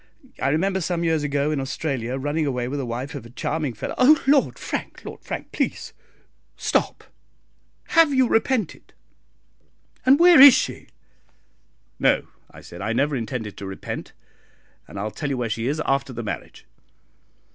I remember some years ago, in Australia, running away with the wife of a charming fellow " "Oh, Lord Frank, Lord Frank, please stop! Have you repented? and where is she?" "No," I said, "I never intend to repent; and I'll tell you where she is after the marriage."